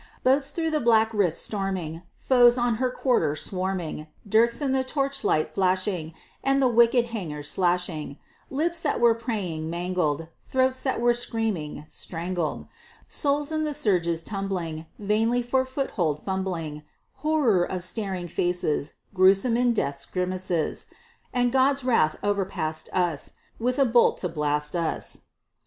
Boats through the black rift storming, Foes on her quarter swarming; Dirks in the torchlight flashing, And the wicked hangers slashing; Lips that were praying mangled, Throats that were screaming, strangled; Souls in the surges tumbling, Vainly for foothold fumbling; Horror of staring faces, Gruesome in Death's grimaces And God's wrath overpast us, With never a bolt to blast us!